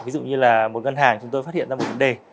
ví dụ như là một ngân hàng chúng tôi phát hiện ra một vấn đề